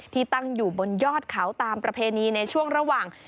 ที่ตั้งอยู่บนยอดเขาตามประเพณีในช่วงระหว่าง